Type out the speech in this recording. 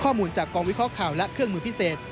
ข้อมูลจากกองวิเคราะห์ข่าวและเครื่องมือพิเศษ